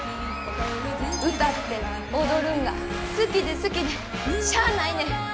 歌って踊るんが好きで好きでしゃあないねん。